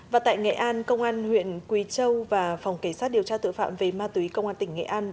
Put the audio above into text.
và tại nghệ an công an huyện quỳ châu và phòng cảnh sát điều tra tội phạm về ma túy công an tỉnh nghệ an